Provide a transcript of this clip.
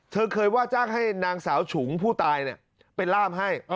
เธอเคยว่าจ้างให้นางสาวฉุงผู้ตายเป็นล่ามให้